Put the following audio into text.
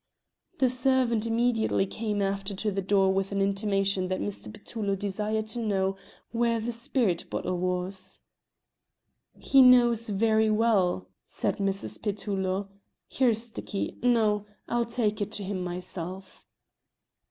The servant immediately after came to the door with an intimation that Mr. Petullo desired to know where the spirit bottle was. "He knows very well," said Mrs. Petullo. "Here is the key no, I'll take it to him myself."